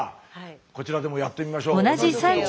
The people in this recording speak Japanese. こちらでもやってみましょう同じことを。